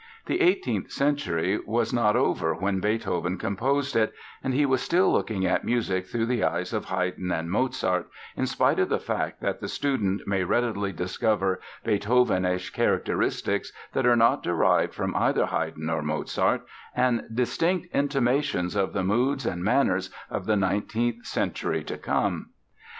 The eighteenth century was not over when Beethoven composed it, and he was still looking at music through the eyes of Haydn and Mozart, in spite of the fact that the student may readily discover Beethovenish characteristics that are not derived from either Haydn or Mozart and distinct intimations of the moods and manners of the nineteenth century to come.